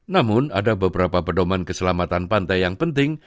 namun ada beberapa pedoman keselamatan pantai yang penting